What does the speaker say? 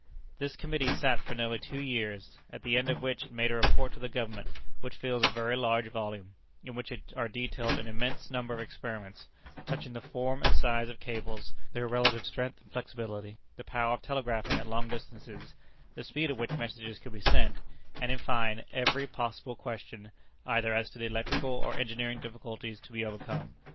This Committee sat for nearly two years, at the end of which it made a report to the Government, which fills a very large volume, in which are detailed an immense number of experiments, touching the form and size of cables, their relative strength and flexibility, the power of telegraphing at long distances, the speed at which messages could be sent; and in fine, every possible question, either as to the electrical or engineering difficulties to be overcome.